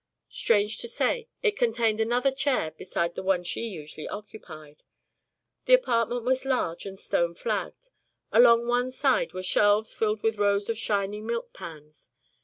Strange to say, it contained another chair besides the one she usually occupied. The apartment was large and stone flagged. Along one side were shelves filled with rows of shining milk pans.